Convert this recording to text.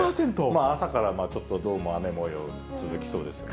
朝からちょっとどうも雨もよう続きそうですね。